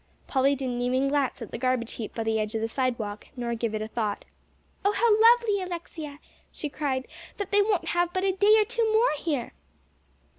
Polly didn't even glance at the garbage heap by the edge of the sidewalk, nor give it a thought. "Oh, how lovely, Alexia," she cried, "that they won't have but a day or two more here!"